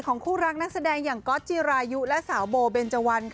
คู่รักนักแสดงอย่างก๊อตจิรายุและสาวโบเบนเจวัน